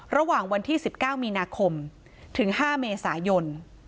ระหว่างวันที่สิบเก้ามีนาคมถึงห้าเมษายน